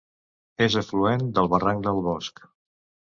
És afluent del barranc del Bosc.